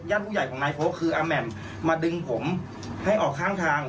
ผู้ใหญ่ของนายโพคืออาแหม่มมาดึงผมให้ออกข้างทาง